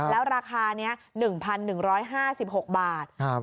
แล้วราคานี้๑๑๕๖บาท